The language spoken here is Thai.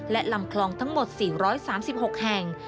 และลำคลองทั้งหมด๔๓๖แห่ง